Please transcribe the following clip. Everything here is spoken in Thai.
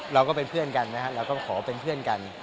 เราก็เป็นเพื่อนกันนะครับเราก็ขอเป็นเพื่อนกัน